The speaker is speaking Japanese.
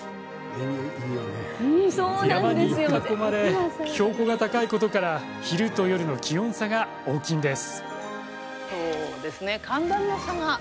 山に囲まれ標高が高いことから昼と夜の気温差が大きいんです。